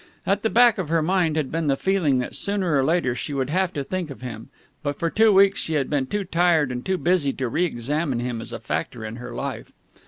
At the back of her mind had been the feeling that sooner or later she would have to think of him, but for two weeks she had been too tired and too busy to re examine him as a factor in her life.